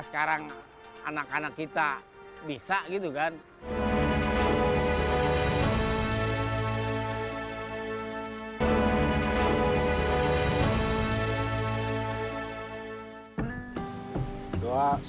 safe kali cikarang